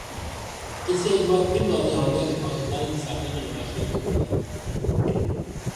اس سے ایک بارپھر واضح ہو گیا کہ پاکستان کی سیاست میں نوازشریف کا کردار مرکزی ہے۔